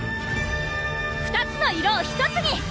２つの色を１つに！